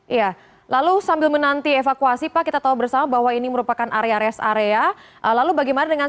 iya lalu sambil menanti evakuasi pak kita tahu bersama bahwa ini merupakan area rest area lalu bagaimana dengan